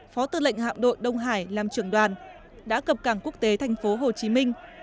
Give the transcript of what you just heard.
phó tư lệnh hạm đội đông hải làm trưởng đoàn đã cập cảng quốc tế tp hcm